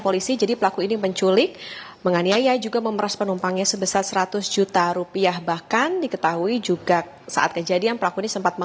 pelaku ini sempat mengaku